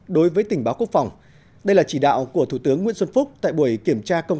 đối với tình báo quốc phòng đây là chỉ đạo của thủ tướng nguyễn xuân phúc tại buổi kiểm tra công